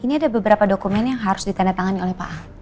ini ada beberapa dokumen yang harus ditandatangani oleh pak